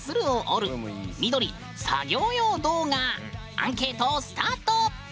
アンケート、スタート！